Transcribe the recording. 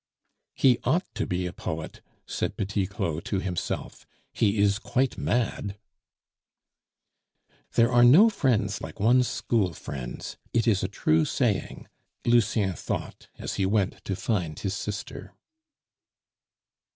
"He ought to be a poet" said Petit Claud to himself; "he is quite mad." "There are no friends like one's school friends; it is a true saying," Lucien thought at he went to find his sister.